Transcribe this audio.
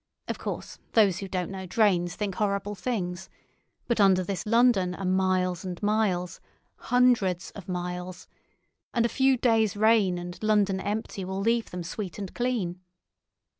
Of course those who don't know drains think horrible things; but under this London are miles and miles—hundreds of miles—and a few days rain and London empty will leave them sweet and clean.